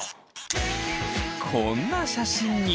こんな写真に。